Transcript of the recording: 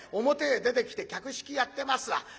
表へ出てきて客引きやってますわ。